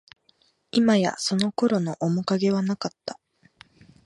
いまや、その頃の面影はなかった